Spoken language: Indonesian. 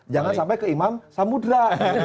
jangan sampai ke imam samudera